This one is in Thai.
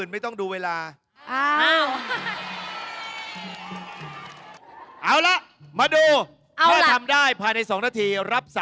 ไม่ต้องหว่นสวยกันไปเร็ว